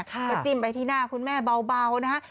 ก็จิ้มไปที่หน้าคุณแม่เบานะฮะ